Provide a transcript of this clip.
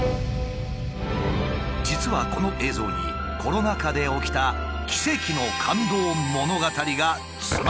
実はこの映像にコロナ禍で起きた奇跡の感動物語が詰まっているという。